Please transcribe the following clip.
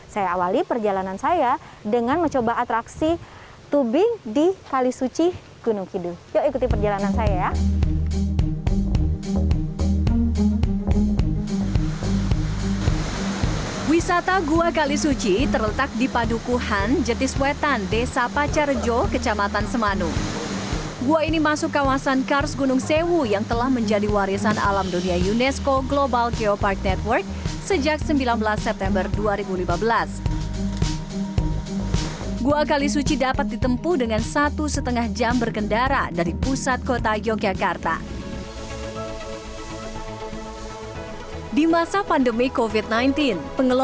saya awali perjalanan saya dengan mencoba atraksi tubing di kalisuci gunung kidul